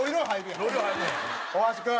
大橋君。